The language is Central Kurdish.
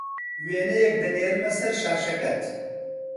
وێنەیەک دەنێرمه سەر شاشەکەت